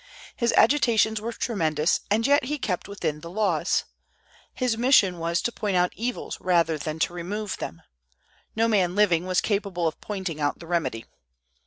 His agitations were tremendous, and yet he kept within the laws. His mission was to point out evils rather than to remove them. No man living was capable of pointing out the remedy.